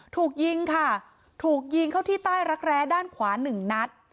ถูกยิงค่ะถูกยิงเข้าที่ใต้รักแร้ด้านขวาหนึ่งนัด